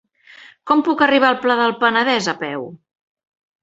Com puc arribar al Pla del Penedès a peu?